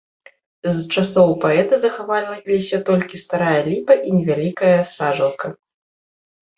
З часоў паэта захаваліся толькі старая ліпа і невялікая сажалка.